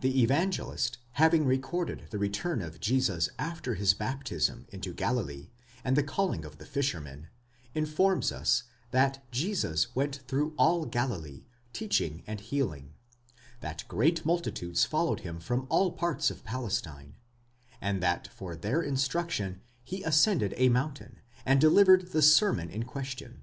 The Evangelist, having recorded the return of Jesus after his baptism into Galilee, and the calling of the fishermen, informs us, that Jesus went through all Galilee, teaching and healing; that great multitudes followed him from all parts of Palestine; and that for their instruction he ascended a mountain, and delivered the sermon in question (iv.